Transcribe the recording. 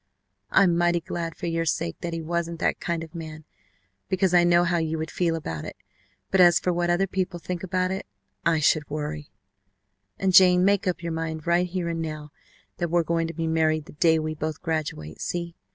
I'm mighty glad for your sake that he wasn't that kind of man, because I know how you would feel about it, but as for what other people think about it, I should worry! And Jane, make up your mind right here and now that we're going to be married the day we both graduate, see?